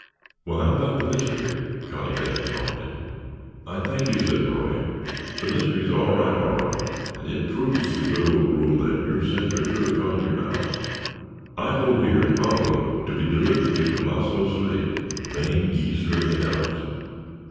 "Well, how about the mystery?" Connie Bennet prompted. "I thank you," said Roy. "The mystery is all right, all right, and it proves the good old rule that your sins are sure to find you out. I hold here an envelope to be delivered to Tomasso Slade—main geezer of the Elks.